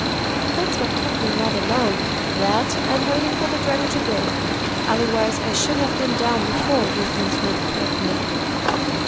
"That's what kept me rather long that, and waiting for the dragon to go. Otherwise I should have been down before Ruthven Smith trapped me.